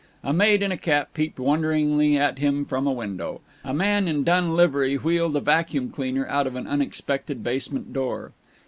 A maid in a cap peeped wonderingly at him from a window. A man in dun livery wheeled a vacuum cleaner out of an unexpected basement door.